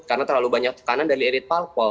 karena terlalu banyak tekanan dari erid palpol